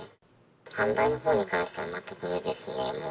販売のほうに関しては全くですね。